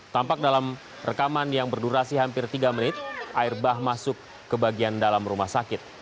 tampak dalam rekaman yang berdurasi hampir tiga menit air bah masuk ke bagian dalam rumah sakit